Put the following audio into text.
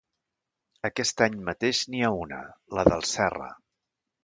Aquest any mateix n'hi ha una, la del Serra.